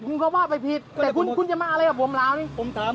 ก็ทำไมไม่พกพาครับตามข้อบทหมาย